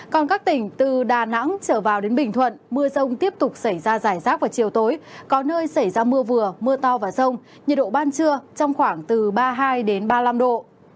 còn các tỉnh từ đà nẵng trở vào đến bình thuận mưa rông tiếp tục xảy ra giải rác vào chiều tối có nơi xảy ra mưa vừa mưa to và rông nhiệt độ ban trưa trong khoảng từ ba mươi hai ba mươi năm độ